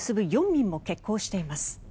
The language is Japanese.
４便も欠航しています。